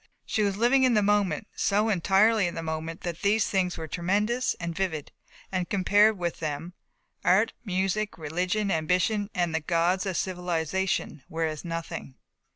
She was living in the moment, so entirely in the moment that these things were tremendous and vivid and compared with them Art, Music, Religion, Ambition, and the gauds of Civilization were as nothing.